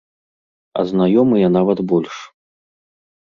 А знаёмыя нават больш.